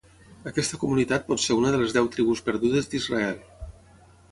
Aquesta comunitat pot ser una de les deu tribus perdudes d'Israel.